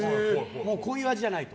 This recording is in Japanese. こういう味じゃないと。